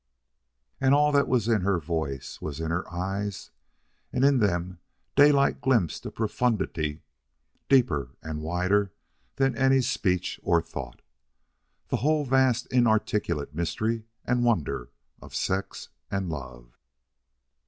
And all that was in her voice was in her eyes, and in them Daylight glimpsed a profundity deeper and wider than any speech or thought the whole vast inarticulate mystery and wonder of sex and love.